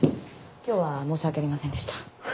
今日は申し訳ありませんでした。